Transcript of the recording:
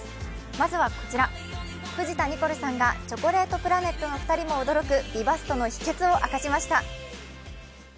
まずはこちら、藤田ニコルさんがチョコレートプラネットの２人も驚く美バストの秘けつを明かしました。